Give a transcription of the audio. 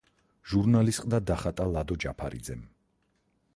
ჟურნალის ყდა დახატა ლადო ჯაფარიძემ.